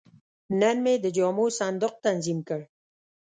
نن مې د جامو صندوق تنظیم کړ.